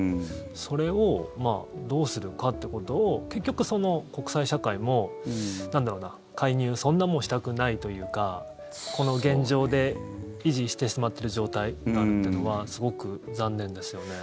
それをどうするかってことを結局、国際社会もなんだろうな、介入そんなもうしたくないというかこの現状で維持してしまってる状態があるというのはすごく残念ですよね。